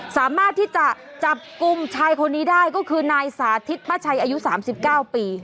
สามารถที่จะจับกลุ่มชายคนนี้ได้ก็คือนายสาธิตป้าชัยอายุ๓๙ปี